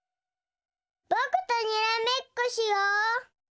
ぼくとにらめっこしよう！